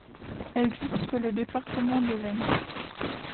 Elle jouxte le département de l'Aisne.